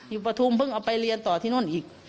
ปฐุมเพิ่งเอาไปเรียนต่อที่นู่นอีก